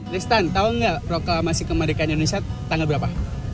lestan tau gak proklamasi kemerdekaan indonesia tanggal berapa